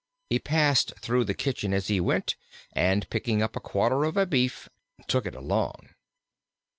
He passed through the kitchen as he went, and, picking up a quarter of beef, took it along.